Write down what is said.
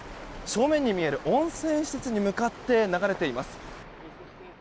正面に見える温泉施設に向かって流れています。